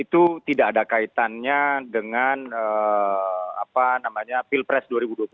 itu tidak ada kaitannya dengan pilpres dua ribu dua puluh empat